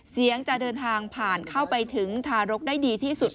จะเดินทางผ่านเข้าไปถึงทารกได้ดีที่สุด